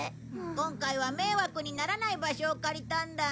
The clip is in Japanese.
今回は迷惑にならない場所を借りたんだ。